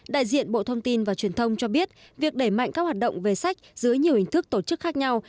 đại diện bộ thông tin và truyền thông cho biết việc đẩy mạnh các hoạt động về sách dưới nhiều hình thức tổ chức khác nhau